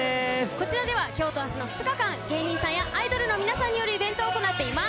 こちらでは、きょうとあすの２日間、芸人さんやアイドルの皆さんによるイベントを行っています。